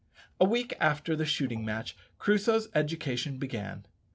A week after the shooting match Crusoe's education began.